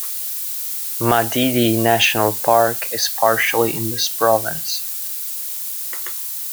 Madidi National Park is partially in this province.